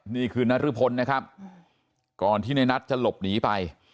นี่คือนรพลนะครับก่อนที่ในนัทจะหลบหนีไป